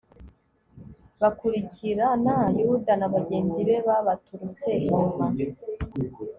bakurikirana yuda na bagenzi be babaturutse inyuma